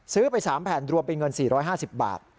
ไป๓แผ่นรวมเป็นเงิน๔๕๐บาท